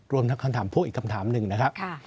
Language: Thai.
รวมทั้งคำถามพ่วงอีกคำถามหนึ่งนะครับ